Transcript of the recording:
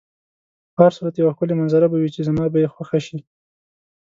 په هر صورت یوه ښکلې منظره به وي چې زما به یې خوښه شي.